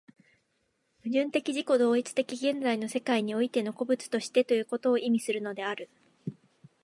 矛盾的自己同一的現在の世界においての個物としてということを意味するのである。